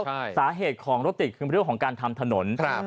ใช่สาเหตุของรถติดคือเรื่องของการทำถนนครับ